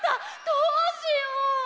どうしよう！？